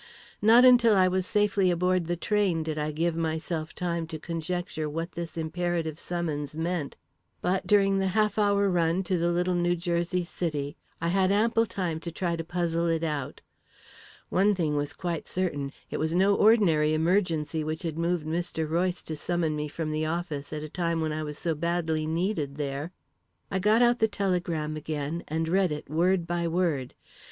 Not until I was safely aboard the train did I give myself time to conjecture what this imperative summons meant, but during the half hour run to the little New Jersey city, I had ample time to try to puzzle it out. One thing was quite certain it was no ordinary emergency which had moved Mr. Royce to summon me from the office at a time when I was so badly needed there. I got out the telegram again, and read it, word by word.